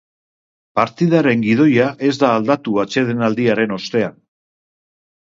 Partidaren gidoia ez da aldatu atsedenaldiaren ostean.